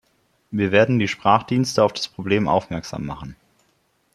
Wir werden die Sprachdienste auf das Problem aufmerksam machen.